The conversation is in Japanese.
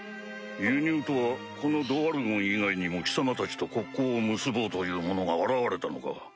輸入とはこのドワルゴン以外にも貴様たちと国交を結ぼうという者が現れたのか。